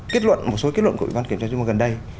kết luận một số kết luận của ủy ban kiểm tra trung ương gần đây